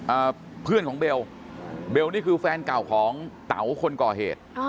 เพื่อนของเบลเบลนี่คือแฟนเก่าของเต๋าคนก่อเหตุอ๋อ